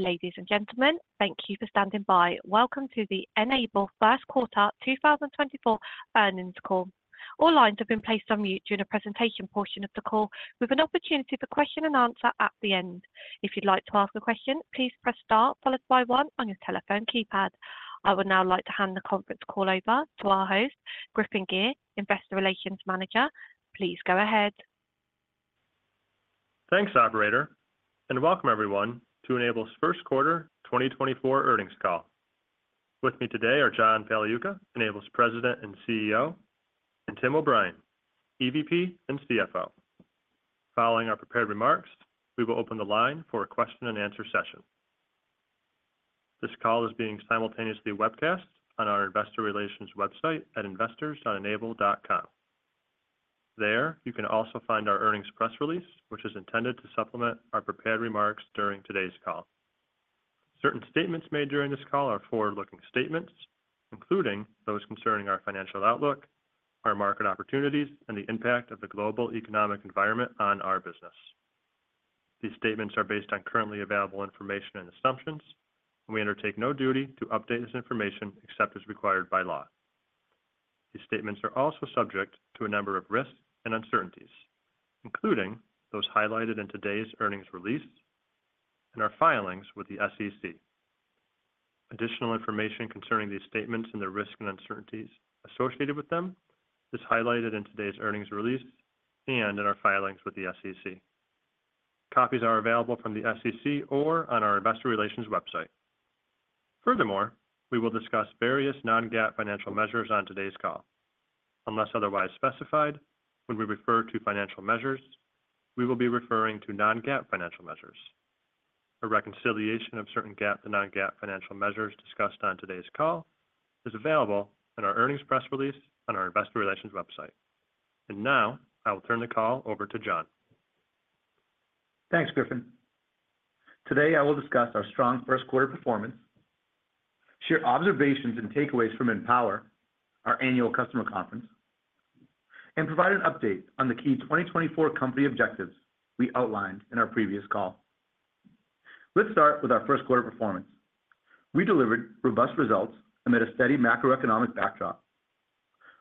Ladies and gentlemen, thank you for standing by. Welcome to the N-able First Quarter 2024 Earnings Call. All lines have been placed on mute during the presentation portion of the call, with an opportunity for question and answer at the end. If you'd like to ask a question, please press star followed by one on your telephone keypad. I would now like to hand the conference call over to our host, Griffin Gyr, Investor Relations Manager. Please go ahead. Thanks, operator, and welcome everyone to N-able's First Quarter 2024 Earnings Call. With me today are John Pagliuca, N-able's President and CEO, and Tim O'Brien, EVP and CFO. Following our prepared remarks, we will open the line for a question and answer session. This call is being simultaneously webcast on our investor relations website at investors.n-able.com. There, you can also find our earnings press release, which is intended to supplement our prepared remarks during today's call. Certain statements made during this call are forward-looking statements, including those concerning our financial outlook, our market opportunities, and the impact of the global economic environment on our business. These statements are based on currently available information and assumptions, and we undertake no duty to update this information except as required by law. These statements are also subject to a number of risks and uncertainties, including those highlighted in today's earnings release and our filings with the SEC. Additional information concerning these statements and the risks and uncertainties associated with them is highlighted in today's earnings release and in our filings with the SEC. Copies are available from the SEC or on our investor relations website. Furthermore, we will discuss various non-GAAP financial measures on today's call. Unless otherwise specified, when we refer to financial measures, we will be referring to non-GAAP financial measures. A reconciliation of certain GAAP to non-GAAP financial measures discussed on today's call is available in our earnings press release on our investor relations website. Now, I will turn the call over to John. Thanks, Griffin. Today, I will discuss our strong first quarter performance, share observations and takeaways from Empower, our annual customer conference, and provide an update on the key 2024 company objectives we outlined in our previous call. Let's start with our first quarter performance. We delivered robust results amid a steady macroeconomic backdrop.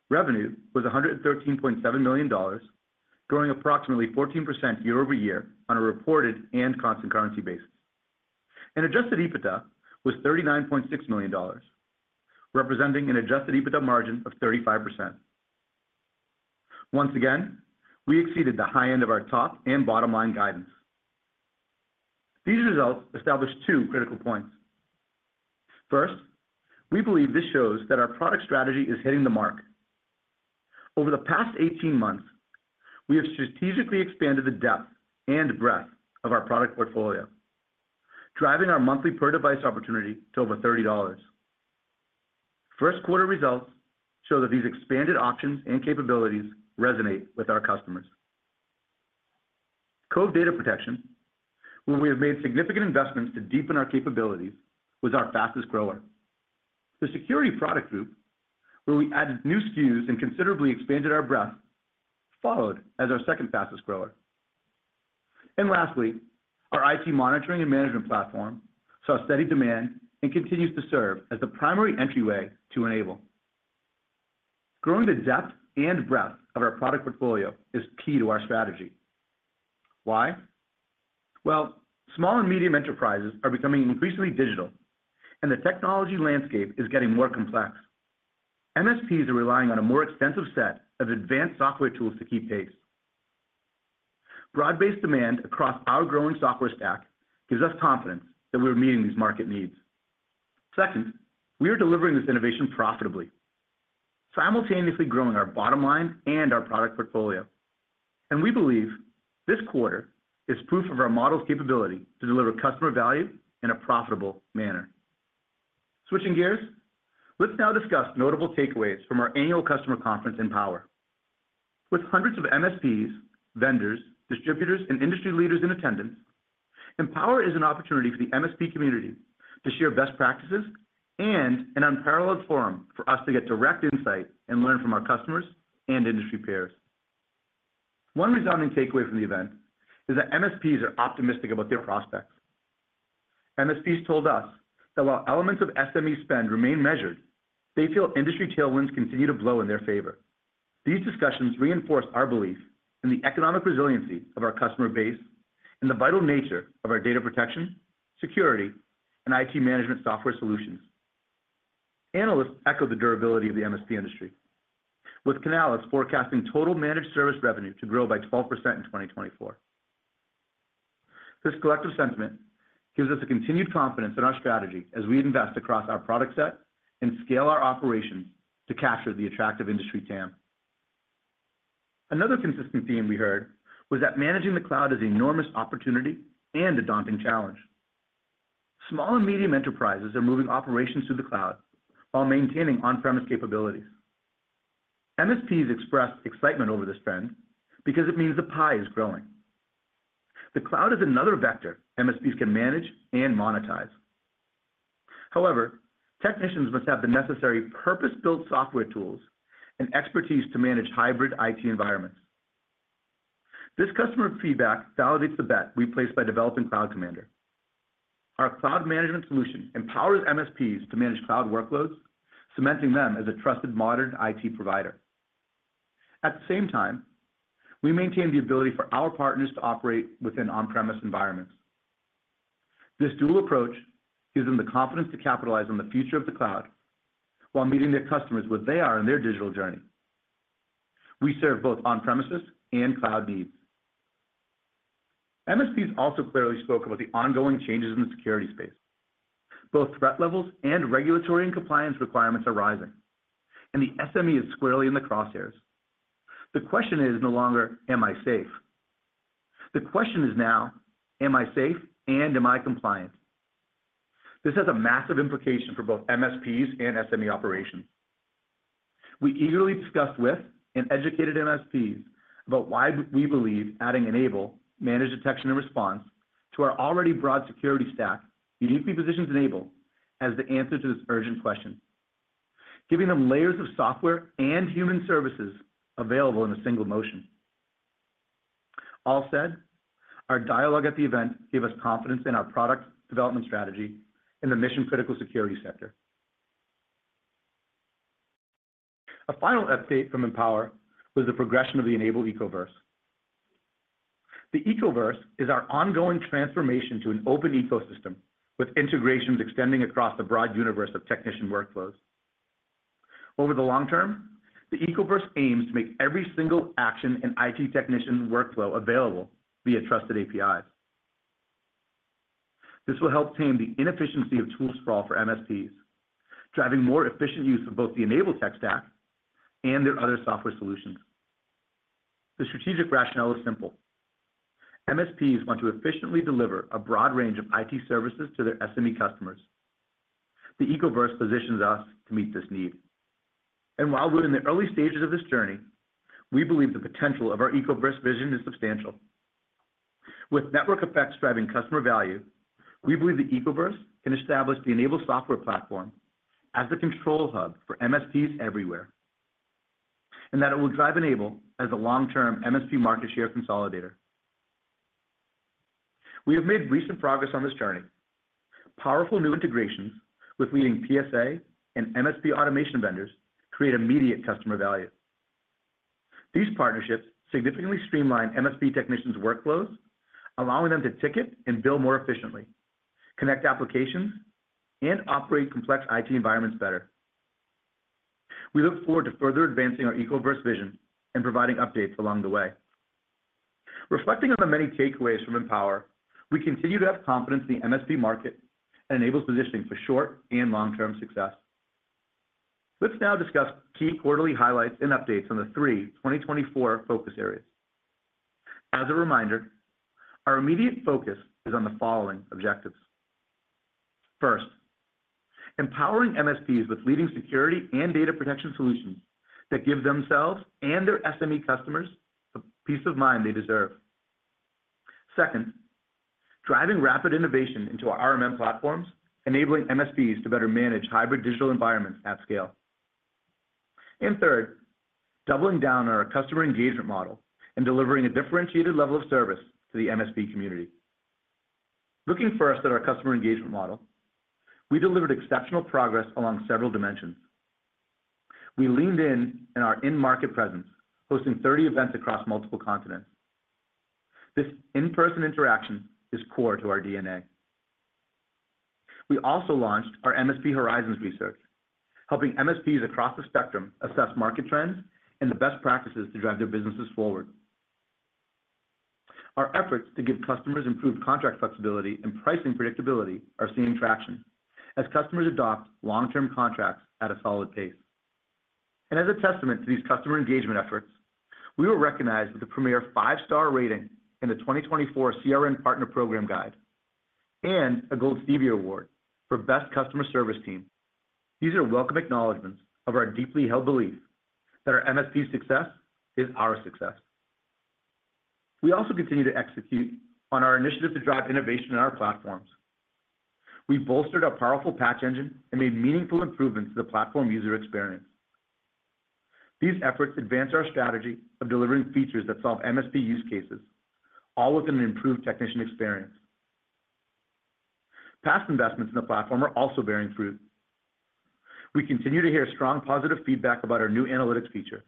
Revenue was $113.7 million, growing approximately 14% year-over-year on a reported and constant currency basis. Adjusted EBITDA was $39.6 million, representing an adjusted EBITDA margin of 35%. Once again, we exceeded the high end of our top and bottom line guidance. These results establish two critical points. First, we believe this shows that our product strategy is hitting the mark. Over the past 18 months, we have strategically expanded the depth and breadth of our product portfolio, driving our monthly per device opportunity to over $30. First quarter results show that these expanded options and capabilities resonate with our customers. Cove Data Protection, where we have made significant investments to deepen our capabilities, was our fastest grower. The security product group, where we added new SKUs and considerably expanded our breadth, followed as our second fastest grower. Lastly, our IT monitoring and management platform saw steady demand and continues to serve as the primary entryway to N-able. Growing the depth and breadth of our product portfolio is key to our strategy. Why? Well, small and medium enterprises are becoming increasingly digital, and the technology landscape is getting more complex. MSPs are relying on a more extensive set of advanced software tools to keep pace. Broad-based demand across our growing software stack gives us confidence that we're meeting these market needs. Second, we are delivering this innovation profitably, simultaneously growing our bottom line and our product portfolio, and we believe this quarter is proof of our model's capability to deliver customer value in a profitable manner. Switching gears, let's now discuss notable takeaways from our annual customer conference, Empower. With hundreds of MSPs, vendors, distributors, and industry leaders in attendance, Empower is an opportunity for the MSP community to share best practices and an unparalleled forum for us to get direct insight and learn from our customers and industry peers. One resounding takeaway from the event is that MSPs are optimistic about their prospects. MSPs told us that while elements of SME spend remain measured, they feel industry tailwinds continue to blow in their favor. These discussions reinforce our belief in the economic resiliency of our customer base and the vital nature of our data protection, security, and IT management software solutions. Analysts echo the durability of the MSP industry, with Canalys forecasting total managed service revenue to grow by 12% in 2024. This collective sentiment gives us a continued confidence in our strategy as we invest across our product set and scale our operations to capture the attractive industry TAM. Another consistent theme we heard was that managing the cloud is an enormous opportunity and a daunting challenge. Small and medium enterprises are moving operations to the cloud while maintaining on-premise capabilities. MSPs expressed excitement over this trend because it means the pie is growing. The cloud is another vector MSPs can manage and monetize. However, technicians must have the necessary purpose-built software tools and expertise to manage hybrid IT environments.... This customer feedback validates the bet we placed by developing Cloud Commander. Our cloud management solution empowers MSPs to manage cloud workloads, cementing them as a trusted modern IT provider. At the same time, we maintain the ability for our partners to operate within on-premise environments. This dual approach gives them the confidence to capitalize on the future of the cloud, while meeting their customers where they are in their digital journey. We serve both on-premises and cloud needs. MSPs also clearly spoke about the ongoing changes in the security space. Both threat levels and regulatory and compliance requirements are rising, and the SME is squarely in the crosshairs. The question is no longer, "Am I safe?" The question is now, "Am I safe, and am I compliant?" This has a massive implication for both MSPs and SME operations. We eagerly discussed with and educated MSPs about why we believe adding N-able Managed Detection and Response to our already broad security stack uniquely positions N-able as the answer to this urgent question, giving them layers of software and human services available in a single motion. All said, our dialogue at the event gave us confidence in our product development strategy in the mission-critical security sector. A final update from Empower was the progression of the N-able Ecoverse. The Ecoverse is our ongoing transformation to an open ecosystem, with integrations extending across the broad universe of technician workflows. Over the long term, the Ecoverse aims to make every single action and IT technician workflow available via trusted APIs. This will help tame the inefficiency of tool sprawl for MSPs, driving more efficient use of both the N-able tech stack and their other software solutions. The strategic rationale is simple: MSPs want to efficiently deliver a broad range of IT services to their SME customers. The Ecoverse positions us to meet this need. And while we're in the early stages of this journey, we believe the potential of our Ecoverse vision is substantial. With network effects driving customer value, we believe the Ecoverse can establish the N-able software platform as the control hub for MSPs everywhere, and that it will drive N-able as a long-term MSP market share consolidator. We have made recent progress on this journey. Powerful new integrations with leading PSA and MSP automation vendors create immediate customer value. These partnerships significantly streamline MSP technicians' workflows, allowing them to ticket and bill more efficiently, connect applications, and operate complex IT environments better. We look forward to further advancing our Ecoverse vision and providing updates along the way. Reflecting on the many takeaways from Empower, we continue to have confidence in the MSP market and N-able's positioning for short and long-term success. Let's now discuss key quarterly highlights and updates on the three 2024 focus areas. As a reminder, our immediate focus is on the following objectives: First, empowering MSPs with leading security and data protection solutions that give themselves and their SME customers the peace of mind they deserve. Second, driving rapid innovation into our RMM platforms, enabling MSPs to better manage hybrid digital environments at scale. And third, doubling down on our customer engagement model and delivering a differentiated level of service to the MSP community. Looking first at our customer engagement model, we delivered exceptional progress along several dimensions. We leaned in in our in-market presence, hosting 30 events across multiple continents. This in-person interaction is core to our DNA. We also launched our MSP Horizons research, helping MSPs across the spectrum assess market trends and the best practices to drive their businesses forward. Our efforts to give customers improved contract flexibility and pricing predictability are seeing traction as customers adopt long-term contracts at a solid pace. As a testament to these customer engagement efforts, we were recognized with a premier 5-star rating in the 2024 CRN Partner Program Guide and a Gold Stevie Award for Best Customer Service Team. These are welcome acknowledgments of our deeply held belief that our MSP's success is our success. We also continue to execute on our initiative to drive innovation in our platforms. We bolstered our powerful patch engine and made meaningful improvements to the platform user experience. These efforts advance our strategy of delivering features that solve MSP use cases, all with an improved technician experience. Past investments in the platform are also bearing fruit. We continue to hear strong, positive feedback about our new analytics feature,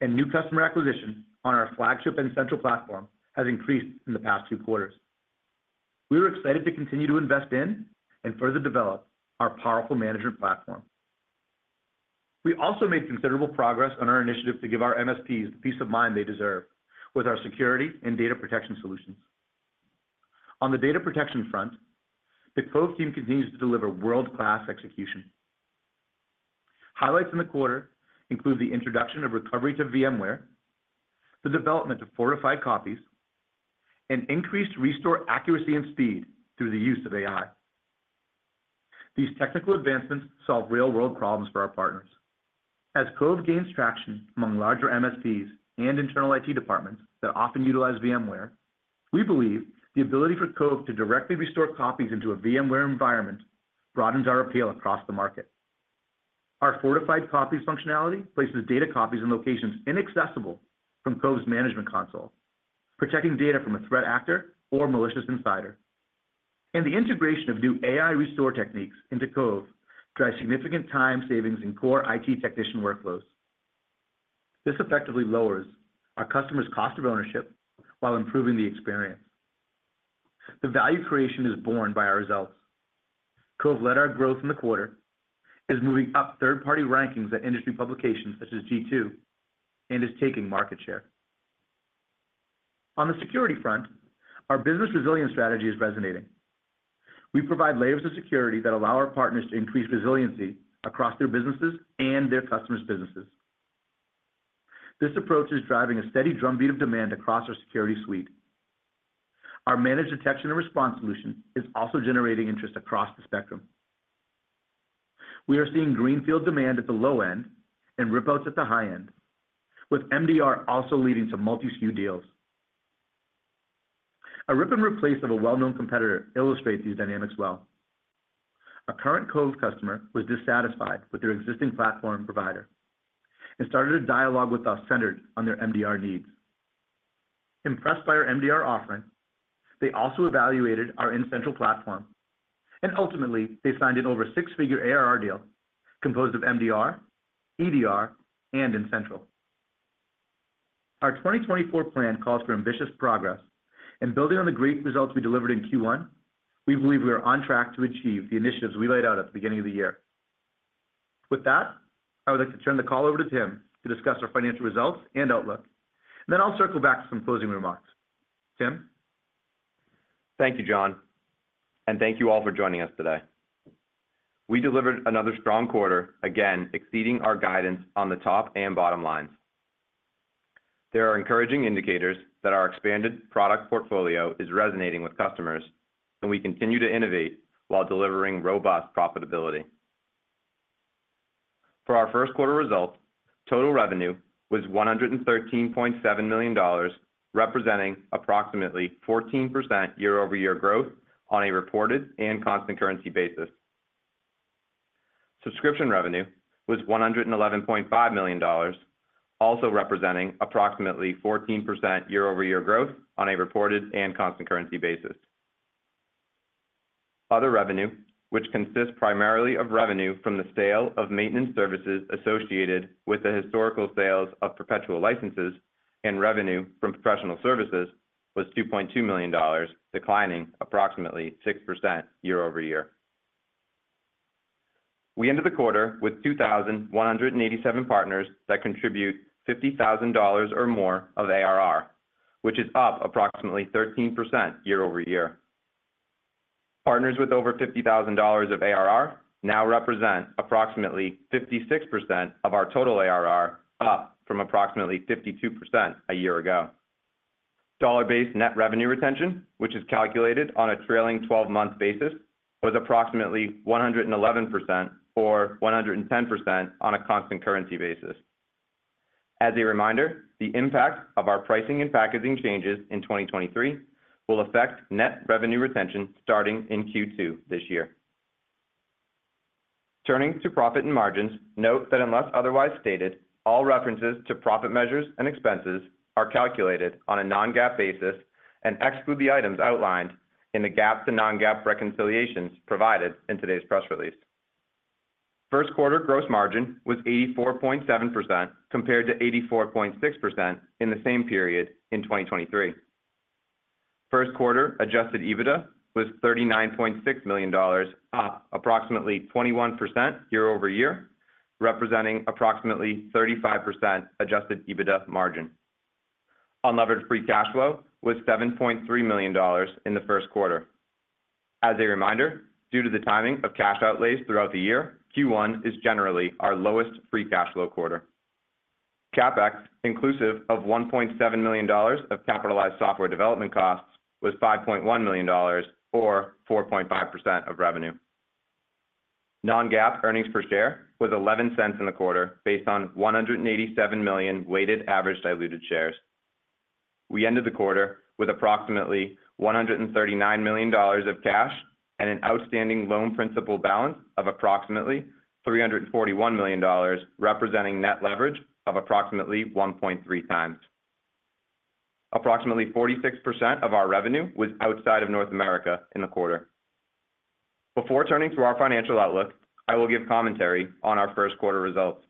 and new customer acquisition on our flagship and N-central platform has increased in the past two quarters. We are excited to continue to invest in and further develop our powerful management platform. We also made considerable progress on our initiative to give our MSPs the peace of mind they deserve with our security and data protection solutions. On the data protection front, the Cove team continues to deliver world-class execution. Highlights in the quarter include the introduction of recovery to VMware, the development of Fortified Copies, and increased restore accuracy and speed through the use of AI. These technical advancements solve real-world problems for our partners. As Cove gains traction among larger MSPs and internal IT departments that often utilize VMware, we believe the ability for Cove to directly restore copies into a VMware environment broadens our appeal across the market... Our Fortified Copies functionality places data copies in locations inaccessible from Cove's management console, protecting data from a threat actor or malicious insider. The integration of new AI restore techniques into Cove drive significant time savings in core IT technician workflows. This effectively lowers our customers' cost of ownership while improving the experience. The value creation is borne by our results. Cove led our growth in the quarter, is moving up third-party rankings at industry publications such as G2, and is taking market share. On the security front, our business resilience strategy is resonating. We provide layers of security that allow our partners to increase resiliency across their businesses and their customers' businesses. This approach is driving a steady drumbeat of demand across our security suite. Our Managed Detection and Response solution is also generating interest across the spectrum. We are seeing greenfield demand at the low end and rip-outs at the high end, with MDR also leading to multi-SKU deals. A rip and replace of a well-known competitor illustrates these dynamics well. A current Cove customer was dissatisfied with their existing platform provider and started a dialogue with us centered on their MDR needs. Impressed by our MDR offering, they also evaluated our N-central platform, and ultimately, they signed an over six-figure ARR deal composed of MDR, EDR, and N-central. Our 2024 plan calls for ambitious progress, and building on the great results we delivered in Q1, we believe we are on track to achieve the initiatives we laid out at the beginning of the year. With that, I would like to turn the call over to Tim to discuss our financial results and outlook. Then I'll circle back to some closing remarks. Tim? Thank you, John, and thank you all for joining us today. We delivered another strong quarter, again, exceeding our guidance on the top and bottom lines. There are encouraging indicators that our expanded product portfolio is resonating with customers, and we continue to innovate while delivering robust profitability. For our first quarter results, total revenue was $113.7 million, representing approximately 14% year-over-year growth on a reported and constant currency basis. Subscription revenue was $111.5 million, also representing approximately 14% year-over-year growth on a reported and constant currency basis. Other revenue, which consists primarily of revenue from the sale of maintenance services associated with the historical sales of perpetual licenses and revenue from professional services, was $2.2 million, declining approximately 6% year-over-year. We ended the quarter with 2,087 partners that contribute $50,000 or more of ARR, which is up approximately 13% year-over-year. Partners with over $50,000 of ARR now represent approximately 56% of our total ARR, up from approximately 52% a year ago. Dollar-based net revenue retention, which is calculated on a trailing twelve-month basis, was approximately 111% or 110% on a constant currency basis. As a reminder, the impact of our pricing and packaging changes in 2023 will affect net revenue retention starting in Q2 this year. Turning to profit and margins, note that unless otherwise stated, all references to profit measures and expenses are calculated on a non-GAAP basis and exclude the items outlined in the GAAP to non-GAAP reconciliations provided in today's press release. First quarter gross margin was 84.7%, compared to 84.6% in the same period in 2023. First quarter adjusted EBITDA was $39.6 million, up approximately 21% year-over-year, representing approximately 35% adjusted EBITDA margin. Unlevered free cash flow was $7.3 million in the first quarter. As a reminder, due to the timing of cash outlays throughout the year, Q1 is generally our lowest free cash flow quarter. CapEx, inclusive of $1.7 million of capitalized software development costs, was $5.1 million or 4.5% of revenue. Non-GAAP earnings per share was $0.11 in the quarter, based on 187 million weighted average diluted shares. We ended the quarter with approximately $139 million of cash and an outstanding loan principal balance of approximately $341 million, representing net leverage of approximately 1.3 times. Approximately 46% of our revenue was outside of North America in the quarter. Before turning to our financial outlook, I will give commentary on our first quarter results.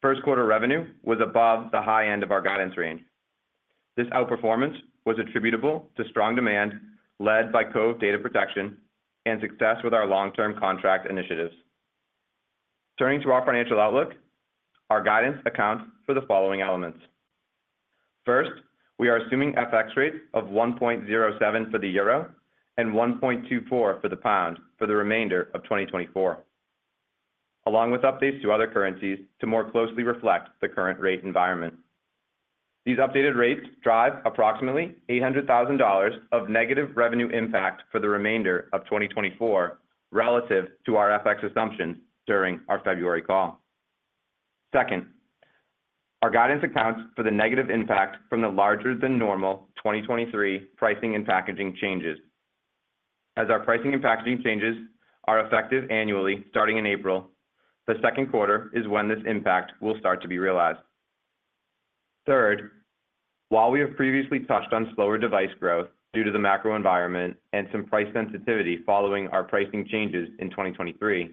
First quarter revenue was above the high end of our guidance range. This outperformance was attributable to strong demand led by Cove Data Protection and success with our long-term contract initiatives. Turning to our financial outlook, our guidance accounts for the following elements: First, we are assuming FX rates of 1.07 for the euro and 1.24 for the pound for the remainder of 2024, along with updates to other currencies to more closely reflect the current rate environment. These updated rates drive approximately $800,000 of negative revenue impact for the remainder of 2024 relative to our FX assumptions during our February call. Second, our guidance accounts for the negative impact from the larger-than-normal 2023 pricing and packaging changes, as our pricing and packaging changes are effective annually starting in April. The second quarter is when this impact will start to be realized. Third, while we have previously touched on slower device growth due to the macro environment and some price sensitivity following our pricing changes in 2023,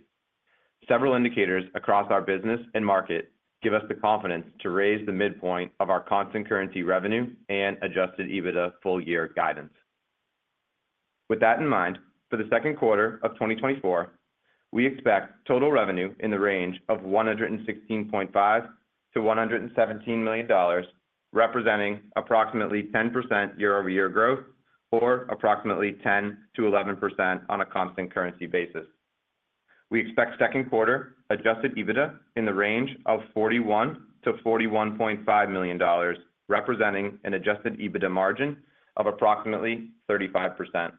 several indicators across our business and market give us the confidence to raise the midpoint of our constant currency revenue and adjusted EBITDA full-year guidance. With that in mind, for the second quarter of 2024, we expect total revenue in the range of $116.5 million-$117 million, representing approximately 10% year-over-year growth, or approximately 10%-11% on a constant currency basis. We expect second quarter adjusted EBITDA in the range of $41 million-$41.5 million, representing an adjusted EBITDA margin of approximately 35%.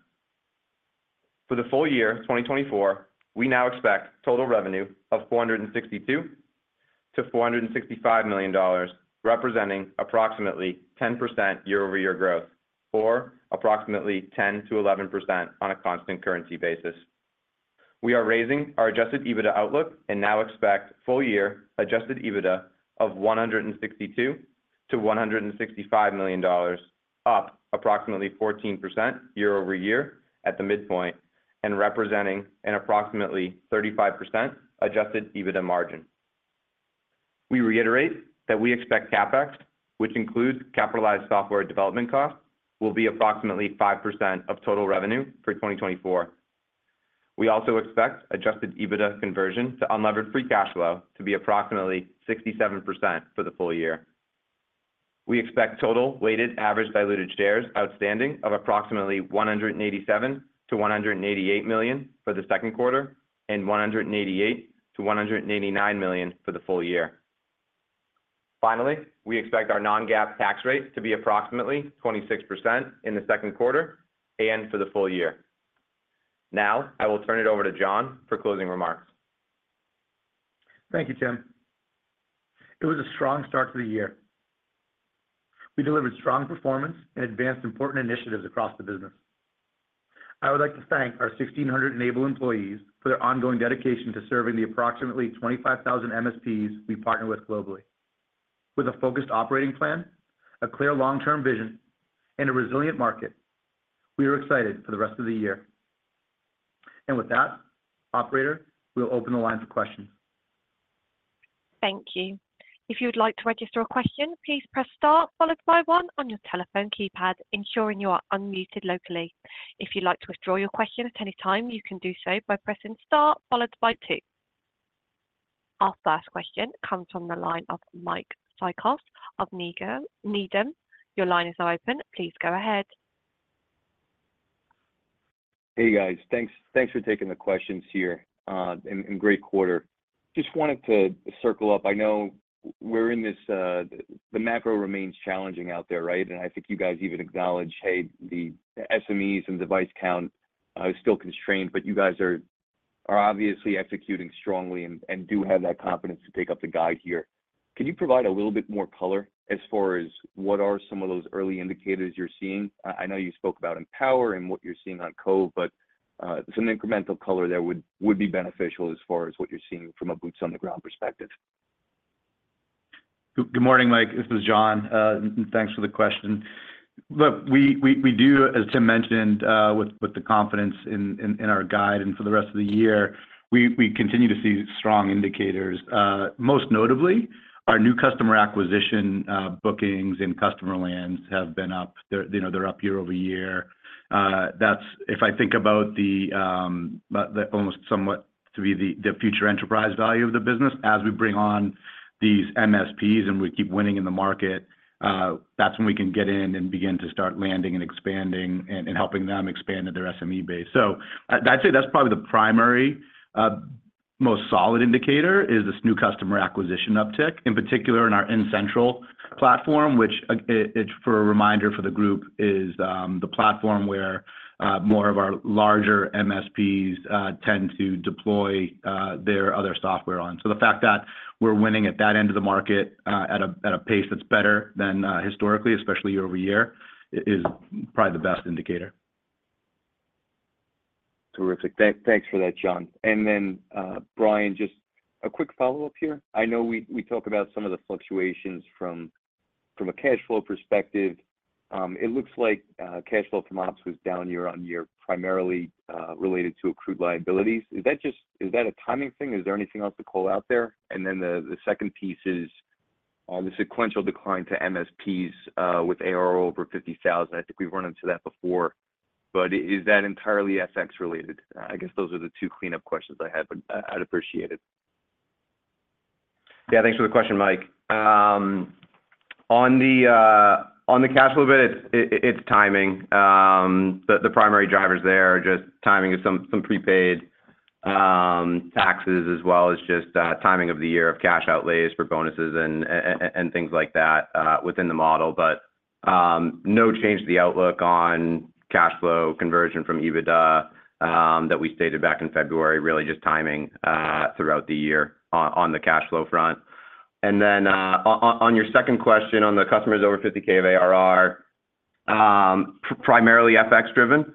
For the full year, 2024, we now expect total revenue of $462 million-$465 million, representing approximately 10% year-over-year growth, or approximately 10%-11% on a constant currency basis. We are raising our adjusted EBITDA outlook and now expect full-year adjusted EBITDA of $162 million-$165 million, up approximately 14% year-over-year at the midpoint and representing an approximately 35% adjusted EBITDA margin. We reiterate that we expect CapEx, which includes capitalized software development costs, will be approximately 5% of total revenue for 2024. We also expect adjusted EBITDA conversion to unlevered free cash flow to be approximately 67% for the full year. We expect total weighted average diluted shares outstanding of approximately 187-188 million for the second quarter and 188-189 million for the full year. Finally, we expect our non-GAAP tax rate to be approximately 26% in the second quarter and for the full year. Now, I will turn it over to John for closing remarks. Thank you, Tim. It was a strong start to the year. We delivered strong performance and advanced important initiatives across the business. I would like to thank our 1,600 N-able employees for their ongoing dedication to serving the approximately 25,000 MSPs we partner with globally. With a focused operating plan, a clear long-term vision, and a resilient market, we are excited for the rest of the year. With that, operator, we'll open the line for questions. Thank you. If you would like to register a question, please press star followed by one on your telephone keypad, ensuring you are unmuted locally. If you'd like to withdraw your question at any time, you can do so by pressing star followed by two. Our first question comes from the line of Mike Cikos of Needham. Your line is now open. Please go ahead. Hey, guys. Thanks for taking the questions here, and great quarter. Just wanted to circle up. I know we're in this – the macro remains challenging out there, right? And I think you guys even acknowledge, hey, the SMEs and device count is still constrained, but you guys are obviously executing strongly and do have that confidence to take up the guide here. Can you provide a little bit more color as far as what are some of those early indicators you're seeing? I know you spoke about Empower and what you're seeing on Cove, but some incremental color there would be beneficial as far as what you're seeing from a boots-on-the-ground perspective. Good morning, Mike. This is John. Thanks for the question. Look, we do, as Tim mentioned, with the confidence in our guide and for the rest of the year, we continue to see strong indicators. Most notably, our new customer acquisition, bookings and customer lands have been up. They're, you know, they're up year over year. That's if I think about the almost somewhat to be the future enterprise value of the business. As we bring on these MSPs and we keep winning in the market, that's when we can get in and begin to start landing and expanding and helping them expand at their SME base. So I'd say that's probably the primary, most solid indicator, is this new customer acquisition uptick, in particular in our N-central platform, which, for a reminder for the group, is the platform where more of our larger MSPs tend to deploy their other software on. So the fact that we're winning at that end of the market, at a pace that's better than historically, especially year over year, is probably the best indicator. Terrific. Thank, thanks for that, John. And then, O'Brien, just a quick follow-up here. I know we, we talked about some of the fluctuations from, from a cash flow perspective. It looks like, cash flow from ops was down year-on-year, primarily, related to accrued liabilities. Is that just- is that a timing thing? Is there anything else to call out there? And then the, the second piece is on the sequential decline to MSPs, with ARR over 50,000. I think we've run into that before, but is that entirely FX related? I guess those are the two cleanup questions I had, but I'd appreciate it. Yeah, thanks for the question, Mike. On the cash flow bit, it's timing. The primary drivers there are just timing of some prepaid taxes, as well as just timing of the year of cash outlays for bonuses and things like that within the model. But no change to the outlook on cash flow conversion from EBITDA that we stated back in February, really just timing throughout the year on the cash flow front. And then on your second question, on the customers over 50K of ARR, primarily FX driven.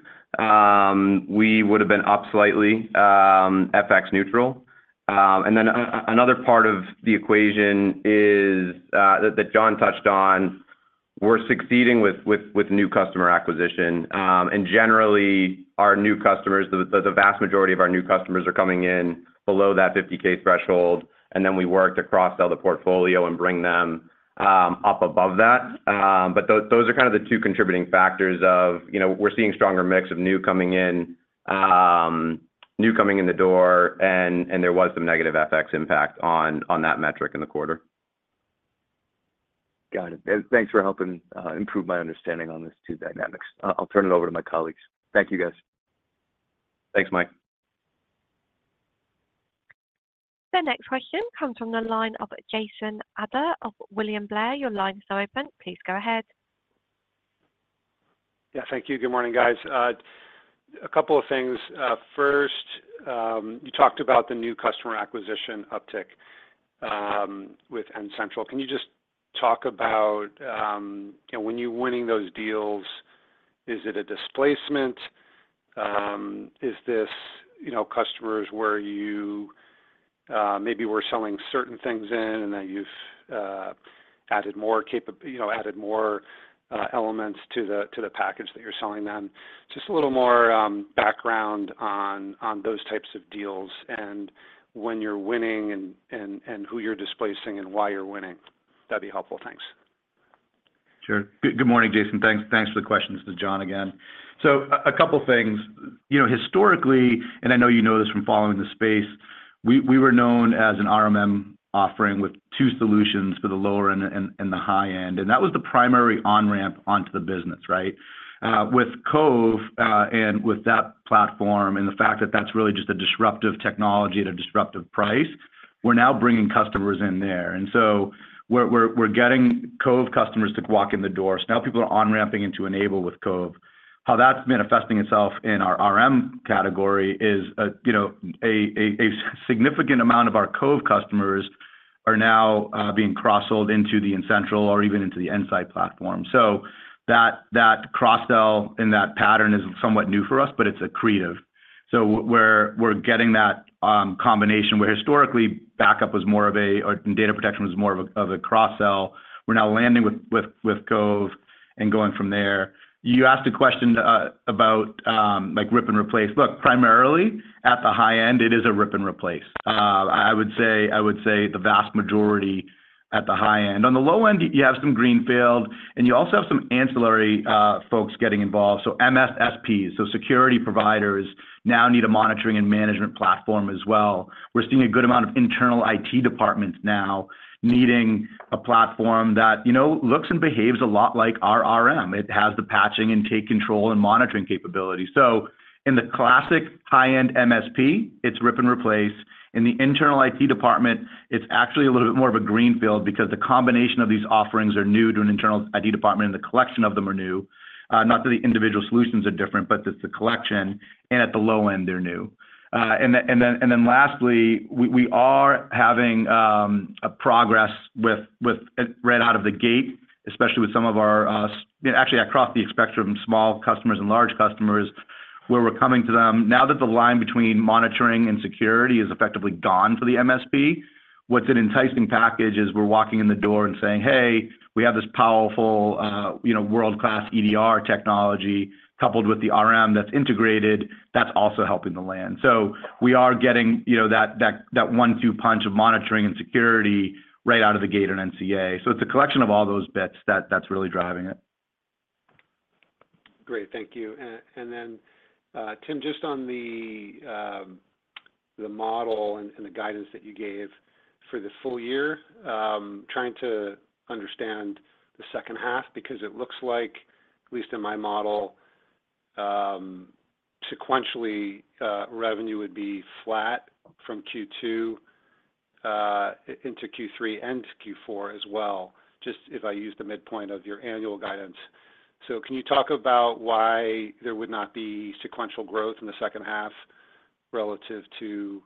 We would have been up slightly, FX neutral. And then another part of the equation is that John touched on, we're succeeding with new customer acquisition. Generally, our new customers, the vast majority of our new customers are coming in below that $50K threshold, and then we worked across all the portfolio and bring them up above that. But those are kind of the two contributing factors of, you know, we're seeing stronger mix of new coming in, new coming in the door, and there was some negative FX impact on that metric in the quarter. Got it. Thanks for helping improve my understanding on this two dynamics. I'll turn it over to my colleagues. Thank you, guys. Thanks, Mike. The next question comes from the line of Jason Ader of William Blair. Your line is now open. Please go ahead. Yeah, thank you. Good morning, guys. A couple of things. First, you talked about the new customer acquisition uptick with N-central. Can you just talk about, you know, when you're winning those deals, is it a displacement? Is this, you know, customers where you maybe were selling certain things in, and then you've added more, you know, added more elements to the, to the package that you're selling them? Just a little more background on, on those types of deals, and when you're winning, and, and, and who you're displacing, and why you're winning. That'd be helpful. Thanks. Sure. Good morning, Jason. Thanks for the question. This is John again. So a couple of things. You know, historically, and I know you know this from following the space, we were known as an RMM offering with two solutions for the lower end and the high end, and that was the primary on-ramp onto the business, right? With Cove, and with that platform, and the fact that that's really just a disruptive technology at a disruptive price, we're now bringing customers in there. And so we're getting Cove customers to walk in the door. So now people are on-ramping into N-able with Cove. How that's manifesting itself in our RMM category is, you know, a significant amount of our Cove customers are now being cross-sold into the N-central or even into the N-sight platform. So that, that cross-sell and that pattern is somewhat new for us, but it's accretive. So we're, we're getting that combination, where historically, backup was more of a, or data protection was more of a, of a cross-sell. We're now landing with, with, with Cove and going from there. You asked a question about, like, rip and replace. Look, primarily, at the high end, it is a rip and replace. I would say, I would say the vast majority at the high end. On the low end, you have some greenfield, and you also have some ancillary folks getting involved, so MSSPs. So security providers now need a monitoring and management platform as well. We're seeing a good amount of internal IT departments now needing a platform that, you know, looks and behaves a lot like our RMM. It has the patching, and take control, and monitoring capabilities. So in the classic high-end MSP, it's rip and replace. In the internal IT department, it's actually a little bit more of a greenfield because the combination of these offerings are new to an internal IT department, and the collection of them are new. Not that the individual solutions are different, but just the collection, and at the low end, they're new. And then lastly, we are having a progress with right out of the gate, especially with some of our, actually, across the spectrum, small customers and large customers, where we're coming to them. Now that the line between monitoring and security is effectively gone for the MSP, what's an enticing package is we're walking in the door and saying, "Hey, we have this powerful, you know, world-class EDR technology coupled with the RMM that's integrated," that's also helping to land. So we are getting, you know, that one-two punch of monitoring and security right out of the gate in NCA. So it's a collection of all those bits that, that's really driving it. Great. Thank you. And then, Tim, just on the model and the guidance that you gave for the full year, trying to understand the second half, because it looks like, at least in my model, sequentially, revenue would be flat from Q2 into Q3 and Q4 as well, just if I use the midpoint of your annual guidance. So can you talk about why there would not be sequential growth in the second half relative to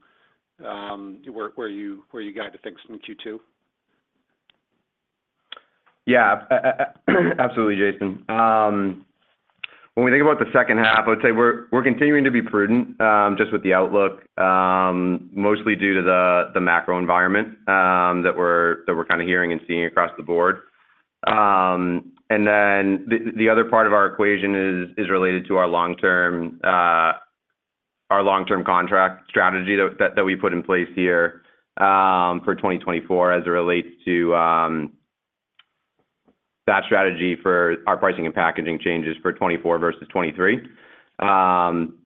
where you guided things from Q2? Yeah, absolutely, Jason. When we think about the second half, I would say we're continuing to be prudent just with the outlook, mostly due to the macro environment that we're kind of hearing and seeing across the board. And then the other part of our equation is related to our long-term contract strategy that we put in place here for 2024, as it relates to that strategy for our pricing and packaging changes for 2024 versus 2023.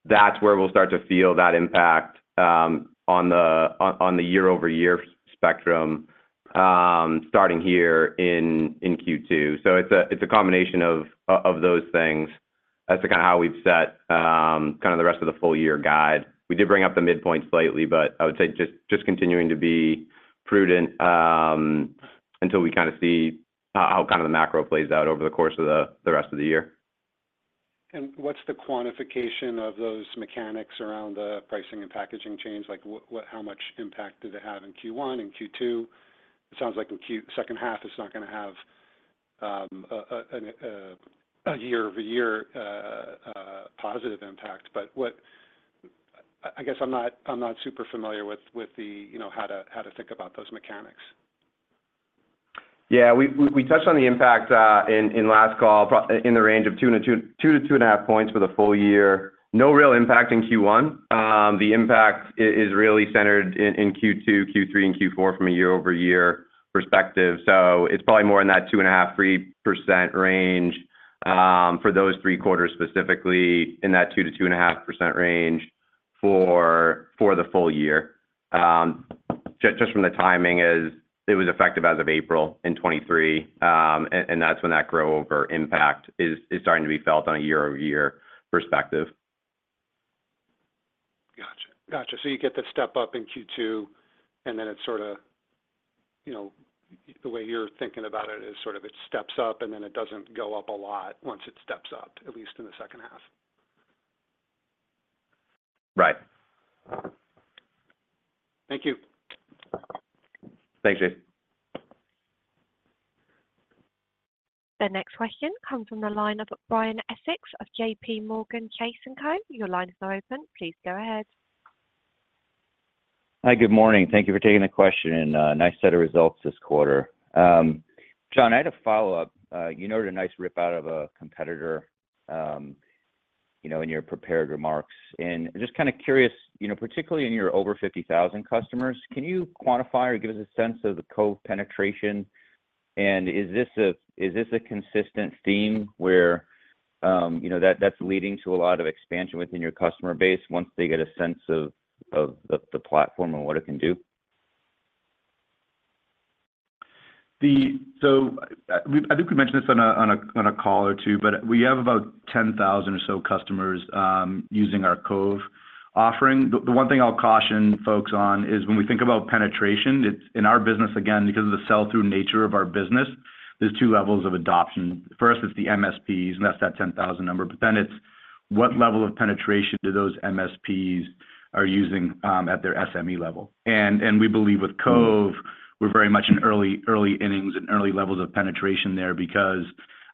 That's where we'll start to feel that impact on the year-over-year spectrum, starting here in Q2. So it's a combination of those things. That's kind of how we've set kind of the rest of the full year guide. We did bring up the midpoint slightly, but I would say just continuing to be prudent, until we kind of see how kind of the macro plays out over the course of the rest of the year.... What's the quantification of those mechanics around the pricing and packaging change? Like, what, how much impact did it have in Q1 and Q2? It sounds like in second half, it's not gonna have a year-over-year positive impact. But what, I guess I'm not super familiar with, you know, how to think about those mechanics. Yeah, we touched on the impact in last call, probably in the range of 2-2.5 points for the full year. No real impact in Q1. The impact is really centered in Q2, Q3, and Q4 from a year-over-year perspective. So it's probably more in that 2.5-3% range for those three quarters, specifically in that 2-2.5% range for the full year. Just from the timing, it was effective as of April 2023. And that's when that grow over impact is starting to be felt on a year-over-year perspective. Gotcha. Gotcha. So you get the step up in Q2, and then it sorta, you know, the way you're thinking about it is sort of it steps up, and then it doesn't go up a lot once it steps up, at least in the second half? Right. Thank you. Thanks, Jason. The next question comes from the line of Brian Essex of J.P. Morgan Chase & Co. Your line is now open. Please go ahead. Hi, good morning. Thank you for taking the question. And, nice set of results this quarter. John, I had a follow-up. You noted a nice rip out of a competitor, you know, in your prepared remarks. And just kind of curious, you know, particularly in your over 50,000 customers, can you quantify or give us a sense of the Cove penetration? And is this a, is this a consistent theme where, you know, that-that's leading to a lot of expansion within your customer base once they get a sense of, of the, the platform and what it can do? So, I think we mentioned this on a call or two, but we have about 10,000 or so customers using our Cove offering. The one thing I'll caution folks on is, when we think about penetration, it's in our business, again, because of the sell-through nature of our business, there's two levels of adoption. First, it's the MSPs, and that's that 10,000 number, but then it's what level of penetration do those MSPs are using at their SME level? And we believe with Cove, we're very much in early, early innings and early levels of penetration there, because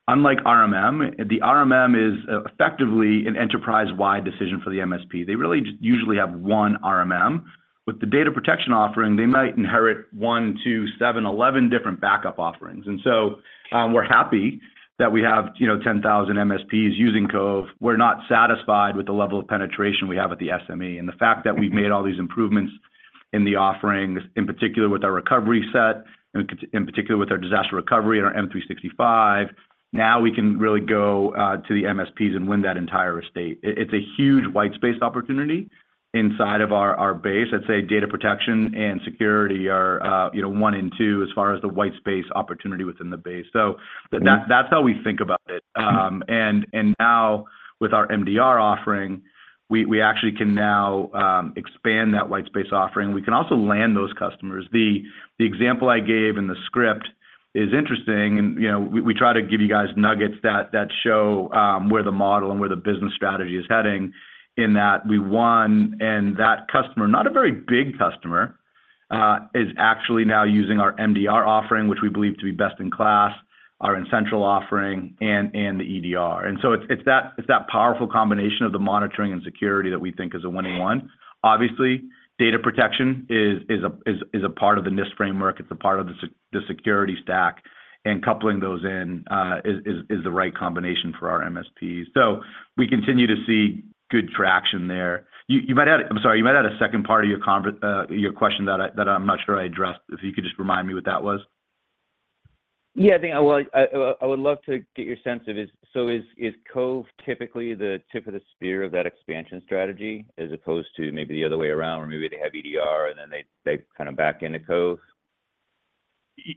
unlike RMM, the RMM is effectively an enterprise-wide decision for the MSP. They really just usually have one RMM. With the data protection offering, they might inherit one, two, seven, 11 different backup offerings. And so, we're happy that we have, you know, 10,000 MSPs using Cove. We're not satisfied with the level of penetration we have at the SME. And the fact that we've made all these improvements in the offerings, in particular with our recovery set, and in particular with our disaster recovery and our M365, now we can really go to the MSPs and win that entire estate. It, it's a huge white space opportunity inside of our, our base. I'd say data protection and security are, you know, one and two as far as the white space opportunity within the base. So that's how we think about it. And, and now with our MDR offering, we, we actually can now expand that white space offering. We can also land those customers. The example I gave in the script is interesting, and, you know, we try to give you guys nuggets that show where the model and where the business strategy is heading, in that we won, and that customer, not a very big customer, is actually now using our MDR offering, which we believe to be best in class, our essential offering, and the EDR. And so it's that powerful combination of the monitoring and security that we think is a winning one. Obviously, data protection is a part of the NIST framework, it's a part of the security stack, and coupling those in is the right combination for our MSPs. So we continue to see good traction there. You might add... I'm sorry, you might add a second part of your question that I, that I'm not sure I addressed. If you could just remind me what that was. Yeah, I think I would, I would love to get your sense of is... So is, is Cove typically the tip of the spear of that expansion strategy, as opposed to maybe the other way around, where maybe they have EDR, and then they, they kind of back into Cove?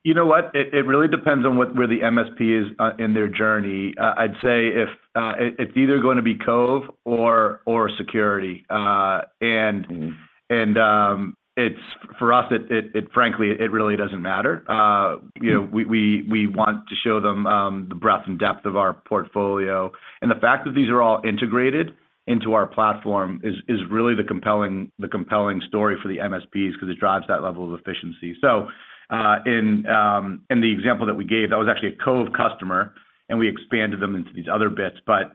You know what? It really depends on what, where the MSP is in their journey. I'd say it's either gonna be Cove or security. And- Mm-hmm... and it's for us. It frankly really doesn't matter. You know, we want to show them the breadth and depth of our portfolio, and the fact that these are all integrated into our platform is really the compelling story for the MSPs because it drives that level of efficiency. So, in the example that we gave, that was actually a Cove customer, and we expanded them into these other bits. But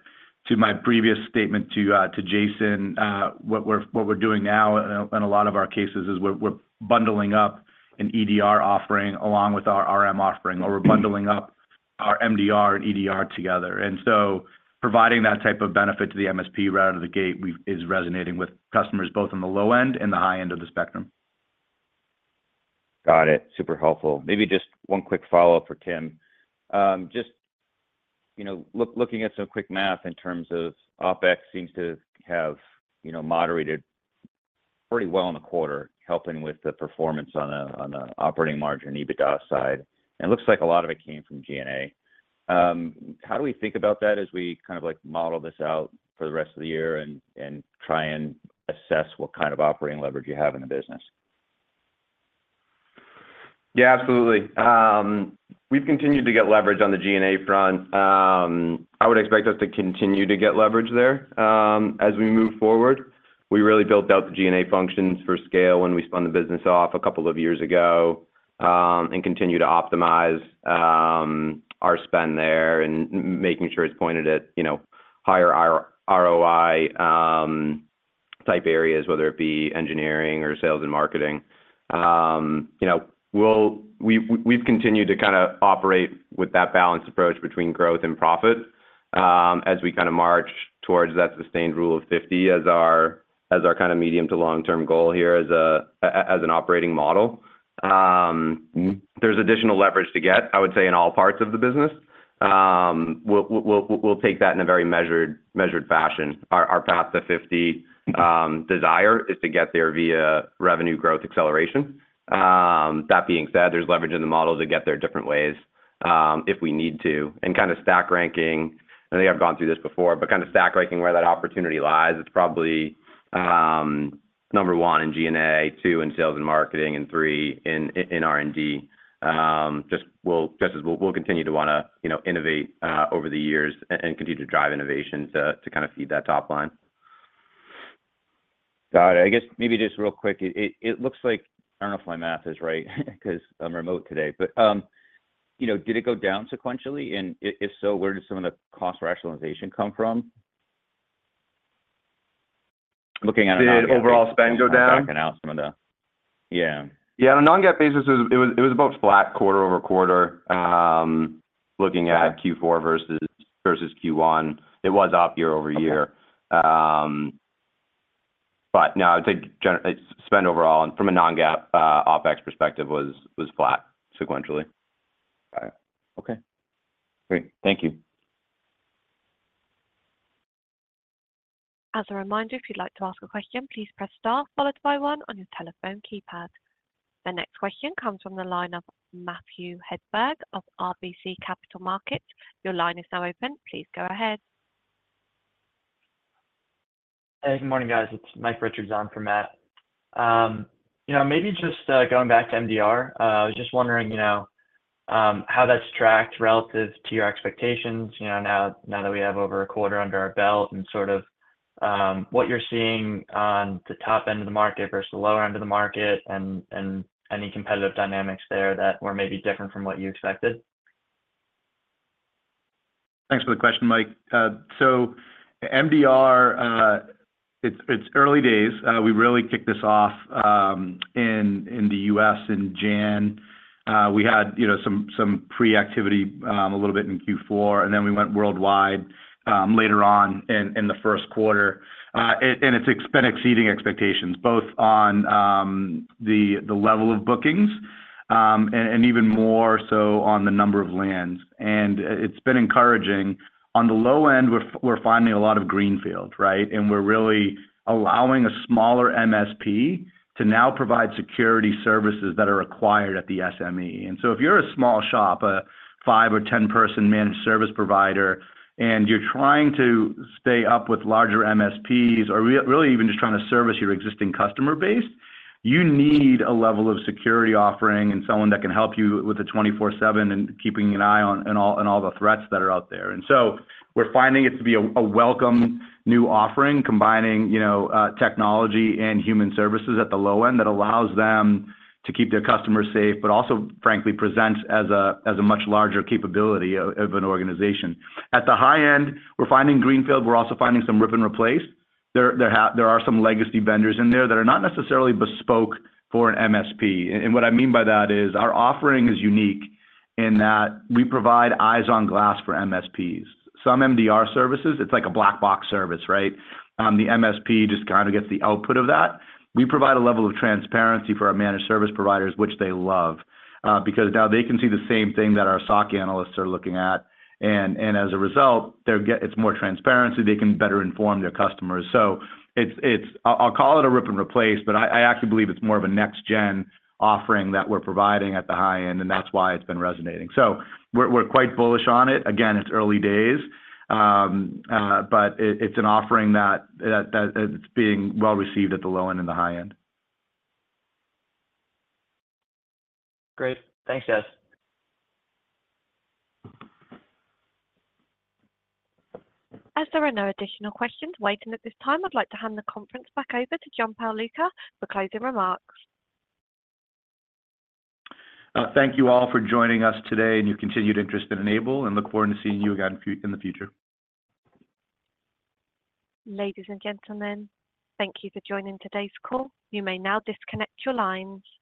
to my previous statement to Jason, what we're doing now in a lot of our cases is we're bundling up an EDR offering along with our RMM offering, or we're bundling up our MDR and EDR together. And so, providing that type of benefit to the MSP right out of the gate, is resonating with customers, both on the low end and the high end of the spectrum. Got it. Super helpful. Maybe just one quick follow-up for Tim. Just, you know, looking at some quick math in terms of OpEx seems to have, you know, moderated pretty well in the quarter, helping with the performance on a, on a operating margin, EBITDA side, and it looks like a lot of it came from G&A. How do we think about that as we kind of like model this out for the rest of the year and, and try and assess what kind of operating leverage you have in the business?... Yeah, absolutely. We've continued to get leverage on the G&A front. I would expect us to continue to get leverage there, as we move forward. We really built out the G&A functions for scale when we spun the business off a couple of years ago, and continue to optimize our spend there and making sure it's pointed at, you know, higher ROI type areas, whether it be engineering or sales and marketing. You know, we've continued to kinda operate with that balanced approach between growth and profit, as we kinda march towards that sustained rule of fifty as our kinda medium to long-term goal here as an operating model. There's additional leverage to get, I would say, in all parts of the business. We'll take that in a very measured fashion. Our path to 50 desire is to get there via revenue growth acceleration. That being said, there's leverage in the model to get there different ways, if we need to. Kinda stack ranking, I think I've gone through this before, but kinda stack ranking where that opportunity lies, it's probably number 1 in G&A, 2 in sales and marketing, and 3 in R&D. Just as we'll continue to wanna, you know, innovate over the years and continue to drive innovation to kinda feed that top line. Got it. I guess maybe just real quick, it looks like... I don't know if my math is right, 'cause I'm remote today, but, you know, did it go down sequentially? And if so, where did some of the cost rationalization come from? Looking at it- Did overall spend go down? Yeah. Yeah, on a non-GAAP basis, it was about flat quarter-over-quarter. Looking at Q4 versus Q1, it was up year-over-year. But no, I would say general spend overall and from a non-GAAP OpEx perspective was flat sequentially. All right. Okay, great. Thank you. As a reminder, if you'd like to ask a question, please press star followed by one on your telephone keypad. The next question comes from the line of Matthew Hedberg of RBC Capital Markets. Your line is now open. Please go ahead. Hey, good morning, guys. It's Mike Richards on for Matt. You know, maybe just going back to MDR, I was just wondering, you know, how that's tracked relative to your expectations, you know, now that we have over a quarter under our belt, and sort of what you're seeing on the top end of the market versus the lower end of the market, and any competitive dynamics there that were maybe different from what you expected? Thanks for the question, Mike. So MDR, it's early days. We really kicked this off in the US in Jan. We had, you know, some pre-activity a little bit in Q4, and then we went worldwide later on in the first quarter. And it's been exceeding expectations, both on the level of bookings, and even more so on the number of lands. And it's been encouraging. On the low end, we're finding a lot of greenfield, right? And we're really allowing a smaller MSP to now provide security services that are required at the SME. And so if you're a small shop, a 5- or 10-person managed service provider, and you're trying to stay up with larger MSPs, or really even just trying to service your existing customer base, you need a level of security offering and someone that can help you with the 24/7 and keeping an eye on and all, and all the threats that are out there. And so we're finding it to be a welcome new offering, combining, you know, technology and human services at the low end that allows them to keep their customers safe, but also, frankly, present as a much larger capability of an organization. At the high end, we're finding greenfield, we're also finding some rip and replace. There are some legacy vendors in there that are not necessarily bespoke for an MSP. And what I mean by that is, our offering is unique in that we provide eyes on glass for MSPs. Some MDR services, it's like a black box service, right? The MSP just kinda gets the output of that. We provide a level of transparency for our managed service providers, which they love, because now they can see the same thing that our SOC analysts are looking at, and as a result, it's more transparency, they can better inform their customers. So it's-- I'll call it a rip and replace, but I actually believe it's more of a next-gen offering that we're providing at the high end, and that's why it's been resonating. So we're quite bullish on it. Again, it's early days, but it's an offering that it's being well received at the low end and the high end. Great. Thanks, guys. As there are no additional questions waiting at this time, I'd like to hand the conference back over to John Pagliuca for closing remarks. Thank you all for joining us today and your continued interest in N-able, and look forward to seeing you again in the future. Ladies and gentlemen, thank you for joining today's call. You may now disconnect your lines.